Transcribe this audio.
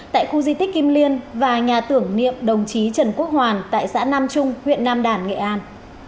tại khu di tích kim liên và nhà tưởng niệm đồng chí trần quốc hoàn tại xã nam trung huyện nam đàn nghệ an